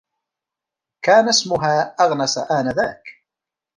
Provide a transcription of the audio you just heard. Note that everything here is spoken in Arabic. كان إسمها أغنس آنذاك.